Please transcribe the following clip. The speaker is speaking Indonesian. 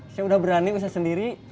saya udah berani usaha sendiri